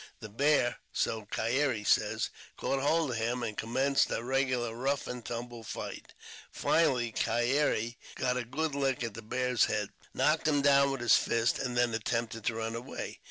The bear (so Keyere says) caught hold of him, and commenced a regular rough and tumble fight ; finally Keyere got a good lick at the bear's head, knocked him down with his fist, and then attempted to run away.